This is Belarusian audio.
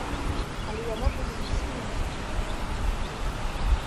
Але яно будзе зусім іншым.